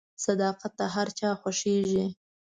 • صداقت د هر چا خوښیږي.